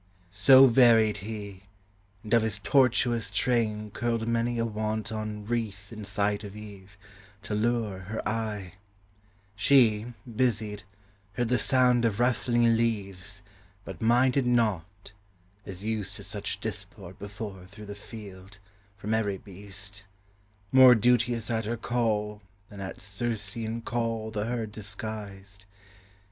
So varied he, and of his tortuous train Curled many a wanton wreath in sight of Eve, To lure her eye; she, busied, heard the sound Of rustling leaves, but minded not, as used To such disport before her through the field, From every beast; more duteous at her call, Than at Circean call the herd disguised.